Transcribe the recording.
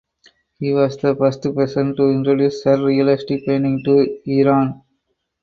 He was the first person to introduce Surrealist painting to Iran.